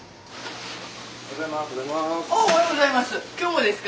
おはようございます。